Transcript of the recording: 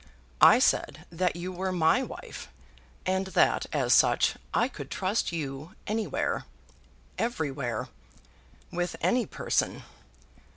I said that you were my wife, and that as such I could trust you anywhere, everywhere, with any person.